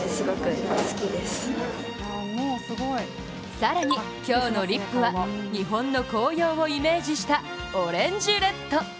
更に今日のリップは日本の紅葉をイメージしたオレンジレッド。